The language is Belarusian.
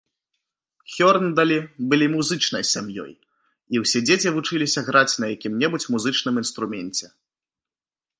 Хёрндалі былі музычнай сям'ёй, і ўсе дзеці вучыліся граць на якім-небудзь музычным інструменце.